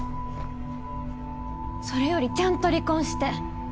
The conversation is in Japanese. それよりちゃんと離婚して。